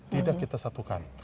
tidak kita satukan